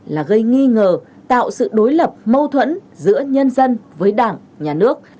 là gây nghi ngờ tạo sự đối lập mâu thuẫn giữa nhân dân với đảng nhà nước